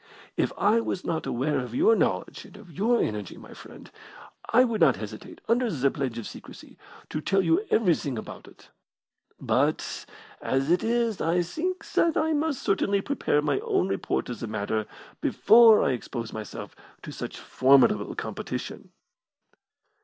If I was not aware of your knowledge and of your energy, my friend, I would not hesitate, under the pledge of secrecy, to tell you everything about it. But as it is I think that I must certainly prepare my own report of the matter before I expose myself to such formidable competition."